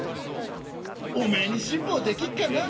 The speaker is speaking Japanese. おめえに辛抱できっかな？」。